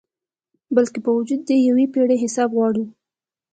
بلکي باوجود د یو پیړۍ حساب غواړو